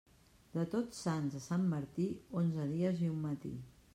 De Tots Sants a Sant Martí, onze dies i un matí.